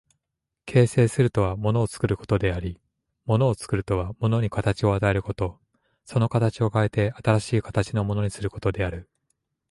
形成するとは物を作ることであり、物を作るとは物に形を与えること、その形を変えて新しい形のものにすることである。